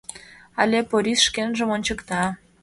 Але Порис шкенжым ончыкта-а!..